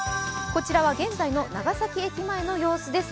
こちらは現在の長崎駅前の様子です。